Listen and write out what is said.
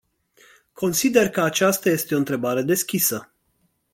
Consider că aceasta este o întrebare deschisă.